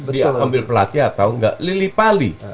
diambil pelatih atau nggak lili pali